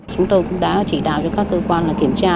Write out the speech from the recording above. chúng tôi cũng đã chỉ đạo cho các cơ quan kiểm tra